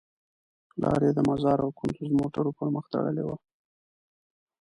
لار یې د مزار او کندوز موټرو پر مخ تړلې وه.